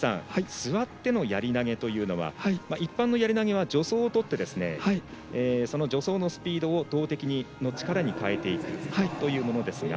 座っての、やり投げというのは一般のやり投げは助走をとってその助走のスピードを投てきの力に変えていくというものですが。